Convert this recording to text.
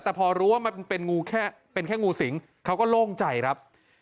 แต่พอรู้ว่ามันเป็นแค่งูสิงเขาก็โล่งใจครับ